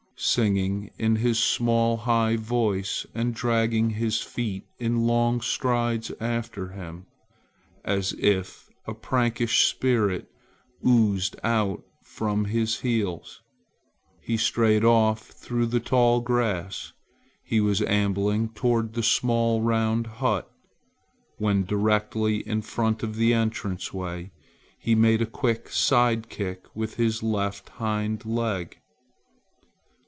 Singing in his small high voice and dragging his feet in long strides after him, as if a prankish spirit oozed out from his heels, he strayed off through the tall grass. He was ambling toward the small round hut. When directly in front of the entrance way, he made a quick side kick with his left hind leg.